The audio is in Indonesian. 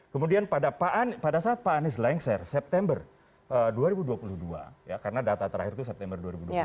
kemudian pada saat pak anies lengser september dua ribu dua puluh dua karena data terakhir itu september dua ribu dua puluh dua